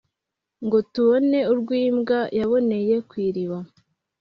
Ngo tubone urw'imbwa yaboneye kw'iriba